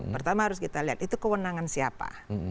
pertama harus kita lihat itu kewenangan siapa